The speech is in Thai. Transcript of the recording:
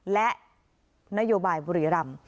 และนโยบายบุรีรำ